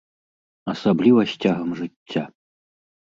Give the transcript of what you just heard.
Асабліва з цягам жыцця.